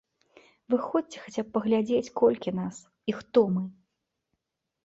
Выходзьце хаця б паглядзець, колькі нас і хто мы!